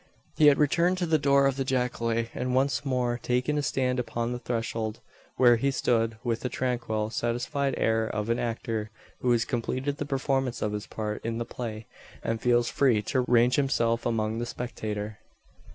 He had returned to the door of the jacale; and once more taken his stand upon the threshold; where he stood, with the tranquil satisfied air of an actor who has completed the performance of his part in the play, and feels free to range himself among the spectator.